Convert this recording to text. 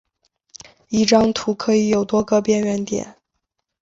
一张图可以有多个边缘点。